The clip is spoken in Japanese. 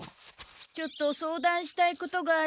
ちょっと相談したいことがあるんだけど。